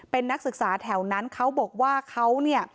เป็นนักศึกษาแถวนั้นเขาบอกว่าเขาเนี่ย